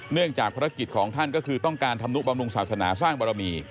จากภารกิจของท่านก็คือต้องการทำนุบำรุงศาสนาสร้างบารมี